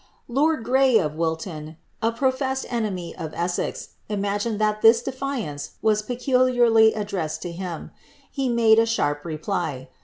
Lord Grey, of Wilton, a professed enemy of Essex, imagined that this defiance was peculiarly addressed to him ; he made a sharp reply.